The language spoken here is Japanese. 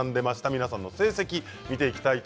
皆さんの成績です。